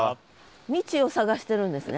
未知を探してるんですね？